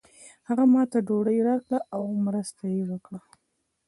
هغه ماته ډوډۍ راکړه او مرسته یې وکړه.